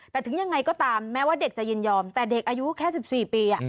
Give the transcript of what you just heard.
แต่ถึงยังไงก็ตามแม้ว่าเด็กจะยินยอมแต่เด็กอายุแค่๑๔ปี